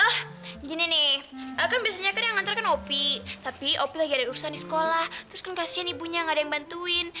ah gini nih kan biasanya kan yang ngantar kan ngopi tapi opi lagi ada urusan di sekolah terus kan kasian ibunya gak ada yang bantuin